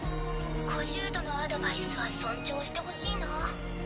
小姑のアドバイスは尊重してほしいな。